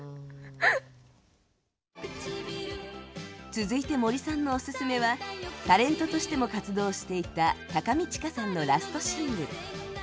続いて森さんのオススメはタレントとしても活動していた高見知佳さんのラストシングル。